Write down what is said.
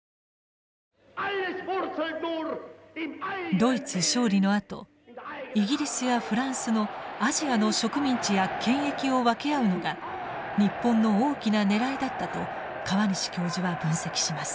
ドイツ勝利のあとイギリスやフランスのアジアの植民地や権益を分け合うのが日本の大きな狙いだったと河西教授は分析します。